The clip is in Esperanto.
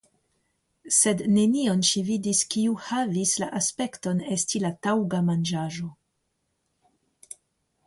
Sed nenion ŝi vidis kiu havis la aspekton esti la taŭga manĝaĵo.